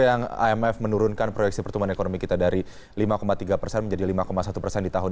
yang amf menurunkan proyeksi pertumbuhan ekonomi kita dari lima tiga persen menjadi lima satu persen di tahun